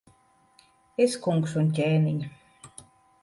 Es, kungs un ķēniņ!